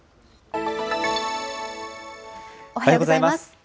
おはようございます。